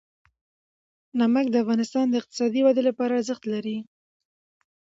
نمک د افغانستان د اقتصادي ودې لپاره ارزښت لري.